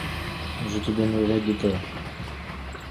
Je te gagnerai deux terres…